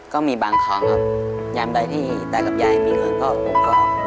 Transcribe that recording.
ก็มีบางข้อครับก็ย้ำใดที่ตายกับยายมีเงินมาครับ